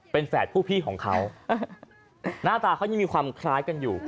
เป็นแฝดผู้พี่ของเขาหน้าตาเขายังมีความคล้ายกันอยู่